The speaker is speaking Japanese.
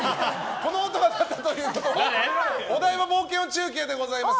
この音が鳴ったということはお台場冒険王中継でございます。